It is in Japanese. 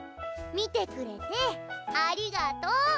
見てくれてありがとう。